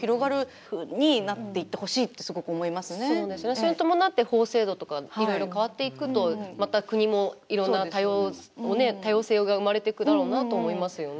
それに伴って法制度とかいろいろ変わっていくとまた国も、いろんな多様性が生まれていくだろうなと思いますよね。